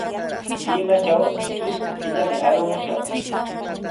Limatraw trusku killami arumushaq.